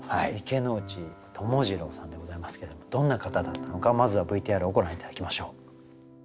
池内友次郎さんでございますけれどもどんな方だったのかまずはＶＴＲをご覧頂きましょう。